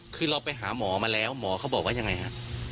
คือเราไปหาหมอมาแล้วหมอเขาบอกว่ายังไงฮะ